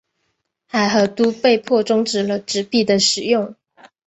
海合都被迫中止了纸币的使用。